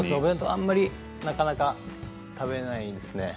あんまりなかなか食べないですね。